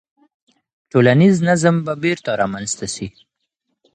ټولنیز نظم به بیرته رامنځته سي.